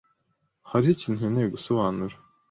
Hariho ikintu nkeneye gusobanura.